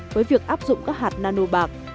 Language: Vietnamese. với việc áp dụng các hạt nano bạc